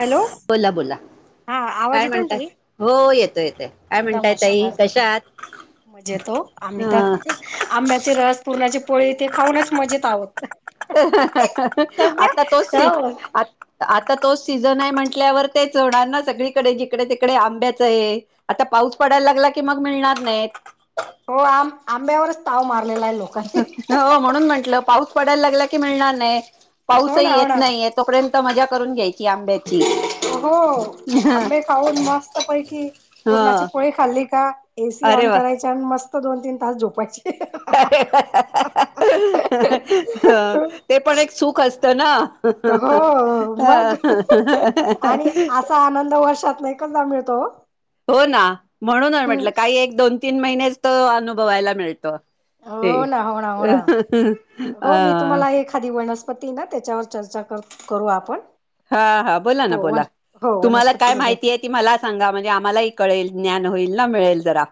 Hello बोला बोला.. हा आवाज काय येतो ना म्हणताय ताई हो येतोय येतय काय म्हणताय ताई कश्या आहात.. मजेतो आम्ही तर आंब्याचे रस पुूरणाचे पोळी ते खाऊनच मजेत आहोत... सध्या आता तोच सी हो आता तोच सीझन आहे म्हंटल्यावर... तेच होणार ना सगळीकडे जिकडे तिकडे आंब्याचं आहे. आता पाऊस पडायला लागला की मग मिळणार नाहीत. हो आं आंब्यावरच... ताव मारलेला आहे लोकांनी हो म्हणून म्हंटलं पाऊस पडायला लागला की मिळणार नाही हो पाऊसही ना हो येत ना नाही तोपर्यंत मजा करून घ्यायची याची [unintelligible] हो आंबे खाऊन मस्त पैकी ह पुरणाची पोळी खाल्ली का एसी अरे ऑन वा करायची आणि मस्त दोन तीन तास झोपायचे हा हहह हाह हह अ ते पण एक सुख असतं ना हो मग हह हा आणि असा आनंद वर्षातन एकदाच मिळतो तो हो ना म्हणून म्हटलं काही एक दोन तीन महिनेच त अनुभवायला मिळतं हे हो ना हो ना हो ना हह हा पती ना त्याच्यावर चर्चा करू आपण हा हा बोला हो ना वन बोला हो तुम्हाला काय वनस्पती बद्दल माहिती आहे ती मला सांगा म्हणजे आम्हालाही कळेल. ज्ञान होईल ना मिळेल जरा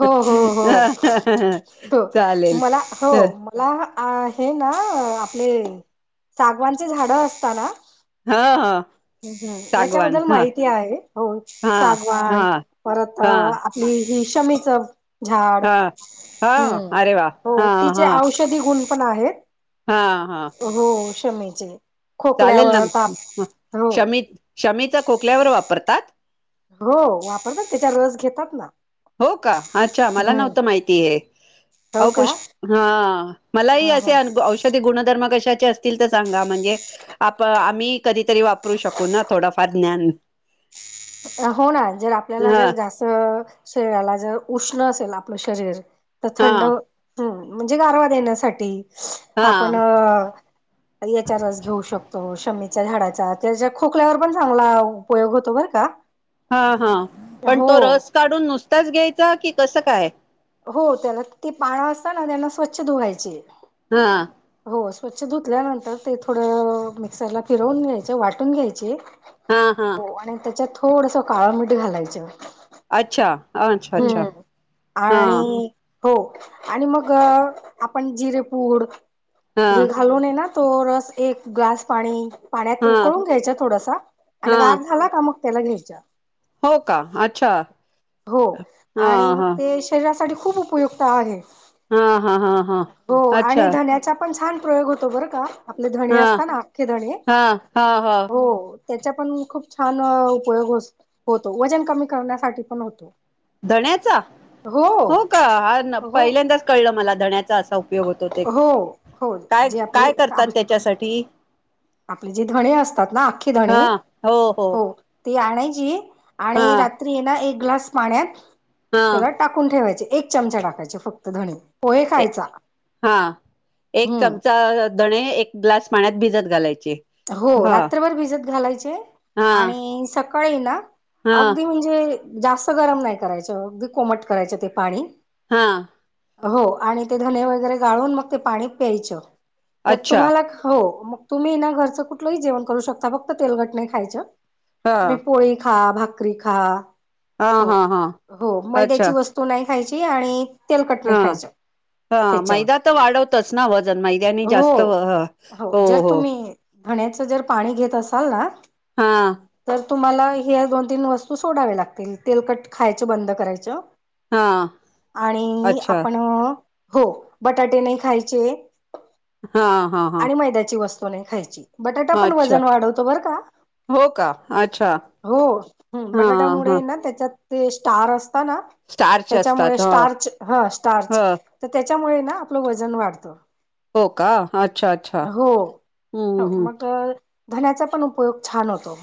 हो हो हो हह हा चालेल अ हे ना आपले सागवांचे झाड असतना ह ह हम् सागवान याच्याबद्दल हा माहिती आहे हो हा हा सागवान परत हा आपली ही शमीच झाड हा हा अरे वा हो हा तिचे हा औषधी गुण पण आहेत. हा हा हो शमीचे चालेल ना खोकल्यावर ताप हो क्षमी क्षमीचा खोकल्यावर वापरतात हो वापरतात त्याच्या रस घेतात ना हो का अच्छा मला हम्म नव्हतं माहिती हे अ हो का पुष्क हा मलाही ह असे औषधी गुणधर्म कशा माहिती असेल तर सांगा म्हणजे आप आम्ही कधीतरी वापरू शकु थोडफार ज्ञान. हो ना जर आपल्याला हा जर जास्त शरीराला जर उष्ण असेल आपलं शरीर तर हा थंड ह म्हणजे गारवा देण्यासाठी हा आपण याच्या रस घेऊ शकतो शमीत झाडाचा त्याच्या खोकल्यावर पण चांगला उपयोग होतो बर का हा हा पण हो तो रस काढुन नुसताच घ्यायचा की कसं काय? हो त्याना ते पान असतना त्यांना स्वच्छ धुवायचे हा हो स्वच्छ धुतल्यानंतर ते थोडं मिक्सरला फिरवुन घ्यायच वाटुन घ्यायचे हा हा हो आणि त्याच्यात थोडस काळं मीठ घालायच अच्छा अच्छा अच्छा हा आणि हो आणि मग आपण जिरेपुड हा हे घालुनये ना तो रस एक ग्लास पाणी पाण्यात हा उकळून घ्यायच थोडसा हा आणि गार झाला का मग त्याला घ्यायच हो का, अच्छा हो हा आणि मग हा ते शरीरासाठी खुप उपयुक्त आहे. हा हा हा हा हो आणि अच्छा धन्याचा पण छान प्रयोग होतो बरं का आपले धने हा असत ना अख्खे धणे हा हा हा हो त्याचा पण खुप छान उपयोग होतो वजन कमी करण्यासाठी पण होतो. धन्याचा हो का, हा हो पहिल्यांदाच कळलं मला धन्याचा असा उप उपयोग होतो ते हो हो काय जे आपले काय आप करतात त्याच्यासाठी आपले जे धणे असतात ना अख्खी धणे हो ते आणायची हा आणि रात्री ये ना एक ग्लास पाण्यात हा त्याला टाकून ठेवायचे. एक चमचा टाकायचे फक्त धणी पोहे ए खायचा. हा एक हम्म चमचा धणे एक ग्लास पाण्यात भिजत घालायचे. हो हा रात्रभर भिजत घालायचे हा आणि सकाळी ना हा अगदी म्हणजे जास्त गरम नाही करायचं, अगदी कोमट करायचं ते पाणी हा. हो आणि ते धने वगैरे गाळुन मग ते पाणी प्यायचं. तर अच्छा तुम्हाला हो तुम्ही ना घरचं कुठलंही जेवण करू शकता, फक्त तेलकट नाही खायच. हा तुम्ही पोळी खा, भाकरी भाकरी खा. हा हो हा हा हो. अच्छा मैद्याची वस्तु नाही खायची आणि तेलकट नाही हा खायचं. हा मैदा त्याच्यावर तर वाढवतच ना वजन मैद्यानी हो जास्त हो हो. धण्याच जर पाणी घेत असाल ना हा तर तुम्हाला हे दोन तीन वस्तू सोडाव्या लागतील. तेलकट खायच बंद करायचं हा आणि अच्छा आपण हो बटाटे नाही खायचे. हा, हा, हा. आणि मैद्याची वस्तू खायची बटाटा पण अच्छा वजन वाढवतो बर का. हो का अच्छा हो हा हा बटाटामुळे ना त्याच्यात ते स्टार असत ना, स्टार्च त्याच्यामुळे असतात ह स्टार्च हं स्टार्च ह तर त्या त्याच्यामुळे ना आपलं वजन वाढतं. हो का? अच्छा, अच्छा हो हम्म हो हम्म. मग धण्याचा पण उपयोग छान होतो.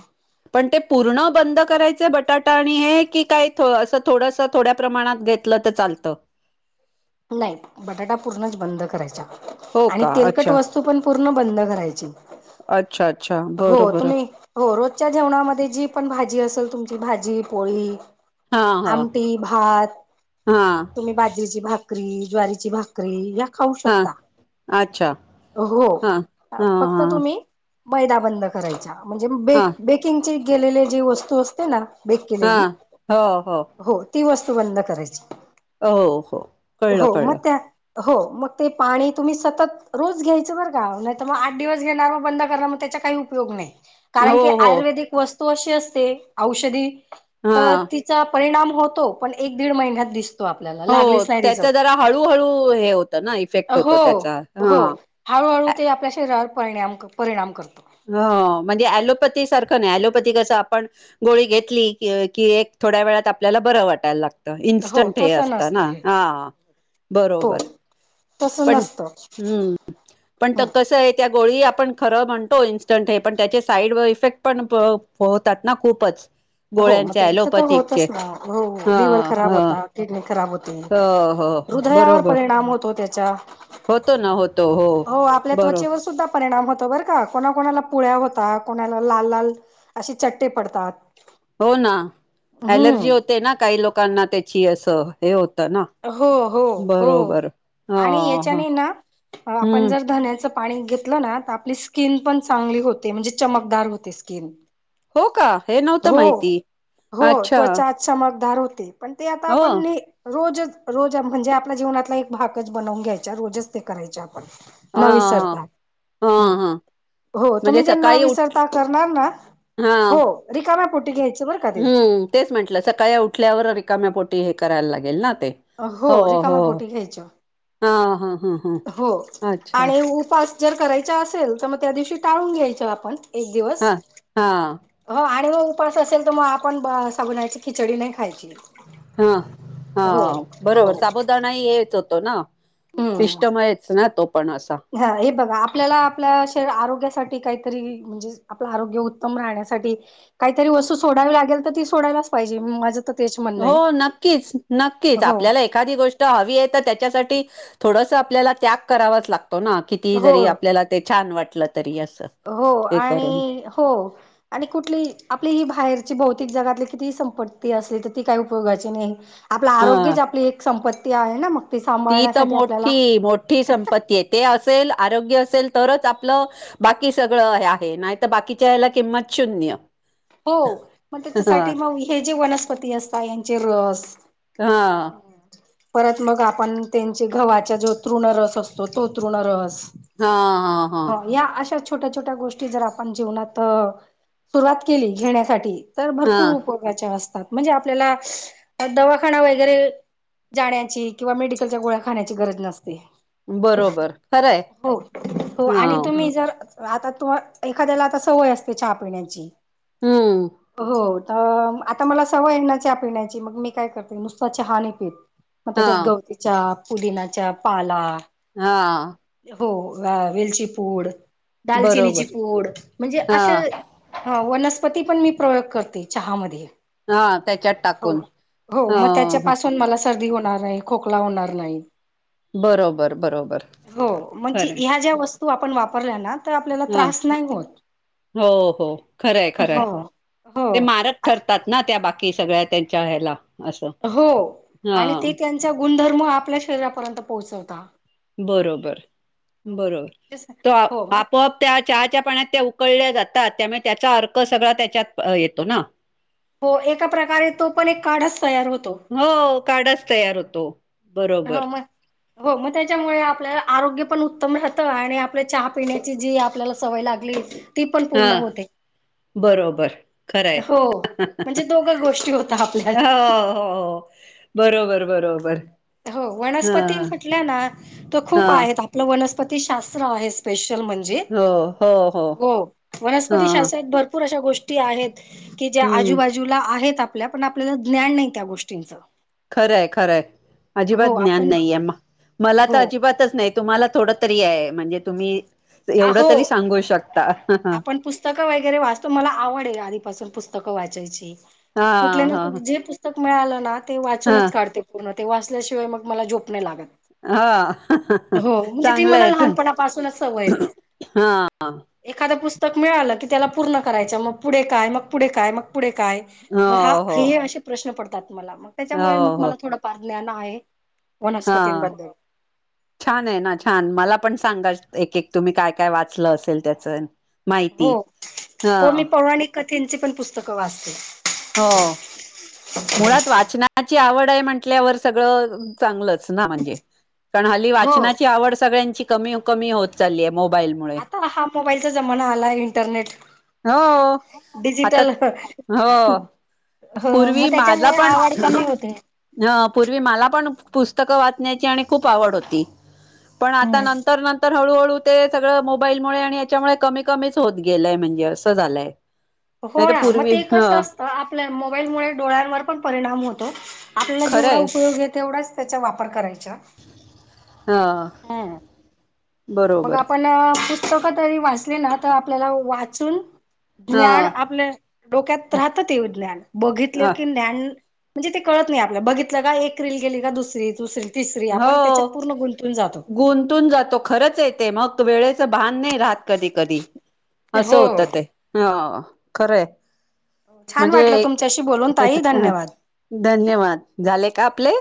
पण ते पूर्ण बंद करायचे बटाटा आणि हे की काय असं थोडस थोड्या प्रमाणात घेत लं तर चालतं? नाही बटाटा पूर्णच बंद करायचा हो आणि का तेलकट अच्छा वस्तू पण पूर्ण बंद करायची. अच्छा. अच्छा हो बरं बरं तुम्ही हो रोजच्या जेवणामध्ये जी पण भाजी असेल तुमची भाजी पोळी, हा ह आमटी, भात हा तुम्ही बाजरीची भााक भाकरी, ज्वारीची भाकरी या खाऊ हा शकता. अच्छा हो हा हा फक्त हा तुम्ही मैदा बंद करायचा म्हणजे बे हा बेकिंगचे गेलेले जी वस्तू असते ना बेक हा केलेली हो ती वस्तू बंद करायची. हो, हो. कळलं, हो, कळलं. मग त्या हो मग ते पाणी तुम्ही सतत रोज घ्यायचं बर का. नाहीतर मग आठ दिवस घेणार मग बंद करणार. मग ते चा काही उपयोग नाही. कारण हो, की हो. आयुर्वेदिक वस्तू अशी असते औषधी तर हां. तिचा परिणाम होतो, पण एक दीड महिन्यात दिसतो आपल्याला. हो, लागलीच नाही त्याचा दिसत. जरा हळूहळू हे होतं ना, इफेक्ट हो, होतो त्याचा. हो हां. हळू हळू अ ते आपल्या शरी रावर परिणाम परिणाम करतो. ते कसं आपण गोळी घेतली, की एक थोड्या वेळात आपल्याला बरं वाटायला लागतं. हो इन्स्टंट हे तसं असतं नसतं ना हे हा, हो बरोबर. तसं पण नसतं हम्म पण हं, कस आहे त्या गोळी आप आपण खर म्हणतो इन्स्टंट आहे, पण त्याचे साईड इफेक्ट पण होतात ना खूपच. हो मग गोळ्यांचे त्यांचं तर अलोपॅथिकचे? होतच ना हो हा, लिव्हर खराब हा. होता किडनी खराब होते हो, हो. हो हृदयावर बरोबर. परिणाम होतो त्याचा होतो ना होत हो आपल्या त्वचेवर सुद्धा परिणाम होत बर का कोणा कोणाला पुळ्या होतात, कोणाला लाल लाल अशी चट्टे पडतात. हो ना हम्म अलर्जी होते ना काही लोकांना त्याची असं हे हो हो, हो, हो हो आणि हो याच्याने ना आपण हम्म जर धन्याच आणि घेतलं ना त आपली स्किन पण चांगली होते. म्हणजे चमकदार होते स्किन. हो का? हे नव्हतं हो माहिती हो अच्छा त्वचा चमकदार होते पण ते आता हो आपण ने रोजचं रोज म्हणजे आपल्या जीवनातला एक भाकच बनवून घ्यायचा रोजच ते करायचे आप हा न विसरता हा हम्म हा हो म्हणजे तुम्ही जर सकाळी उठ विसरता करणार ना हा हो रिकाम्या पोटी घ्याय हम्म तेच म्हंटलं सकाळी उठल्यावर रिकाम्यापोटी हे करायला लागेल ना. ते हो हो रिकाम्या पोटी घ्यायचं हा हा हा हा हो अच्छा आणि उपास जर करायच असेल तर, मग त्या दिवशी टाळून घ्यायच आपण एक दिवस हा हा हो आन हो उपास असेल तर, मग आपण ब साबुदान्याची खिचडी नाही खायची. हा हा हो हो बरोबर साबुदाणा ही हेच होतो, ना. हम्म पिष्टमयच ना तो पण असा हा हे बघा आपल्याला आपल्या शरी आरोग्यासाठी ठी कायतरी म्हणजेच आपल आरोग्य उत्तम राहण्यासाठी काहीतरी वस्तू सोडावी लागेल, तर ती सोडायलाचं पाहिजे माझ हो नक्कीच नक्कीच, हो आपल्याला एखादी गोष्ट हवी हे, त त्याच्यासाठी थोडस आपल्याला त्याग करावाच लागतो ना, कितीही जरी हो आपल्याला ते छान वाटल. हो आणि हो आणि कुठली आपली ही बाहेर ची भौतिक जागात किती संपत्ती असली तर ती काही उपयोगाची नाही. आपलं हां, आरोग्यच आपली एक संप ती आहे ना मग ती तर सांभाळण्यासाठी आपल्याला मोठी मोठी संपत्ती आहे. ते असेल ''आरोग्य''असेल तरच आपलं बाकी सगळं हे आहे. नायतर बाकीच्या याला किंमत शून्य. हो मग हां, त्याच्यासाठी मग हे जे वनस्पती असता. यांचे रस हां, हम्म परत मग आपण त्यांचे गव्हाच्या जो तृण रस असतो तो तृण रस हा हा हा छोट्या छोट्या गोष्टी जर आपण जीवनात सुरुवात केली घेण्यासाठी तर भरपूर हां, उपयोगाच्या असतात. म्हणजे आपल्याला दवाखाना वगैरे जाण्याची किंवा मेडिकलच्या गोळ्या खाण्याची गरज नस ते बरोबर. खरं आहे. हो हो आणि हां, तुम्ही जर आता तु एखाद्याला आता सवय असते चहा पिण्याची हूं अ आता मला सवय येना च ह पिण्याची मग मी काय करते नुसता चहा नाई पीेत. मग त्याच्यात हां, गवतीच्या पुदिनाच्या पाला हा. हो अ वेलची पूड, दालचिनीची बरोबर. पूड, म्हणजे अशा हां, ह वनस्पती पण मी प्रयोग करते. चहामध्ये हां. त्याच्यात हो टाकून. हो हां, मग त्याच्या हां. पाासून मला सर्दी होणार नाही. खोकला होणार नाही. बरोबर बरोबर हो म्हणजे खरंय ह्या ज्या वस्तू आपण वापरल्या ना तर आपल्याला हा त्रास नाही होत हो हो खरंय खरंय, हो हो ते मारक आत- ठरतात ना. त्या बाकी सगळ्या त्यांच्या ह्याला असं हो हा आणि ते त्यांचा गुणधर्म आपल्या शरीरापर्यंत पोहोचवता. बरोबर, हो बरोबर, तेच ना. त हो मग आपोआप त्या चहाच्या पाण्यात त्या उकळल्या जातात. त्यामुळे त्याचा अर्क सगळा त्याच्यात येतो ना? हो एका प्रकारे तो पण एक काढच तयार होतो. हो काढच तयार होतो हो बरोबर म हो म त्याच्यामुळे, आप पल आरोग्य पण उत्तम राहत आणि आपल्या चहा पिण्याची जी आपल्याला सवय लागली. ती पण हा पूर्ण होते. बरोबर खरं ये. हो म्हणजे दोघं गोष्टी होत आपल्या हा हा हो हो बरोबर, बरोबर, हो हा वनस्पती म्हटल्या ना त हा खूप आहेत. आपलं वनस्पती शास्त्र आहे स्पेश, त्यल म्हणजे हो हो हो हा वनस्पती शास्त्रत भरपूर अशा गोष्टी आहेत. की ज्या हम्म आजूबाजूला आहेत आपल्या पण आपल्याला ज्ञान नाही, त्या गोष्टींच' खरंय, खरंय अजिबात ज्ञान आपण नाहीय. मला तर हो अजिबातच नाही. तुम्हाला थोड तरी हाय. म्हणजे तुम्ही.. एवढं अहो, तरी सांगू शकता आपण पुस्तकं वगैरे वाचतो मला आवड ये आधीपासून पुस्तक, वाचायची, हा कुठलं ना हा जे पुस्तक मिळालं ना ते हा वाचूनच काढते पूर्ण, ते वाचल्याशिवाय मग मला झोप नै लागत, हाऽऽ हो म्हणजे ती चांगलं मला आहे लहानपणापासूनच सवय चांगल, आहे. हाऽऽ एखादं पुस्तक मिळालं की त्याला पूर्ण करायच, मग पुढे काय मग पुढे काय म, पुढे काय, हो हा हो हे प्रश्न पडतात मला, त्याच्यामुळे हो मग मला थोडं [inaudible] हाऽऽऽ, छान आहे ना छान, मला पण सांगायच, एक एक तुम्ही काय काय वाचलं असेल त्याचं, हो, हो मी पौराणिक कथेंची पण पुस्तकं वाचते, हो, मुळात वाचनाची आवड आहे म्हंटल्यावर सगळं चांगलंच, नारच म्हणजे, कारण हल्ली हो. वाचनाची आवड सगळ्यांची कमी कमी होत चाललीय, आता हा मोबाईलचा जमाना आलाय इंटरनेट, हो आता हो डिजिटलऽऽऽ पूर्वी माझा पण, होते अंऽऽऽपूर्वी मला पण, पुस्तकं वाचन्याची आणि खूप आवड होती, पण आता हम्म. नंतर नंतर, हळूहळू तेऽऽ सगळं मोबाईलमुळे, आणि याच्यामुळे, कमी कमीच होत गेलंय म्हणजे असं झालंय, हो नाही तर ऽना मग पूर्वी ते ह कसं असतं आपल्या मोबाईलमुळे डोळ्यांवर पण परिणाम होतो, आपल्याला जेवढा खरंय उपयोग य तेवढाच त्याचा वापर करायचा, हाऽऽ हम्म. मग आपणऽऽऽ पुस्तकं तरी वाचली ना तर आपल्याला वाचूनऽऽ हा ज्ञान, आपलं डोक्यात राहत ते विज्ञान, बघितलं की ज्ञान, म्हणजे ते कळत नाही आपलं, बघितलं का एक रील गेली का दुसरी दुसरी, तिसरी आपण त्याच्यात होऽऽ पूर्ण गुंतून जातो. ऽगुंतून जातो खरंच य, ते मग वेळेच भान नाही राहत कधी कधी, असं होतं हो. ते, अंऽऽऽ खरंय‌ छान वाटलं म्हणजे, तुमच्याशी बोलून ताई धन्यवाद. धन्यवाद, झाले का प्ले